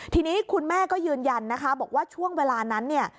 ทีนี้คุณแม่ก็ยืนยันนะคะบอกว่าช่วงเวลานั้นเนี่ย